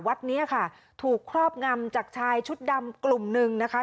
วัดนี้ค่ะถูกครอบงำจากชายชุดดำกลุ่มหนึ่งนะคะ